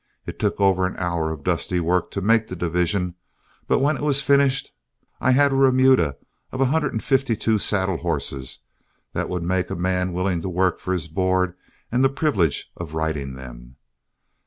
It took over an hour of dusty work to make the division, but when it was finished I had a remuda of a hundred and fifty two saddle horses that would make a man willing to work for his board and the privilege of riding them.